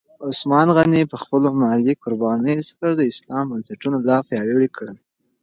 عثمان غني په خپلو مالي قربانیو سره د اسلام بنسټونه لا پیاوړي کړل.